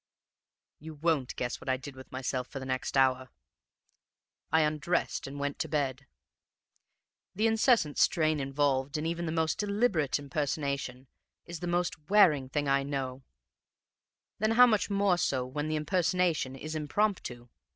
"You won't guess what I did with myself for the next hour. I undressed and went to bed. The incessant strain involved in even the most deliberate impersonation is the most wearing thing I know; then how much more so when the impersonation is impromptu!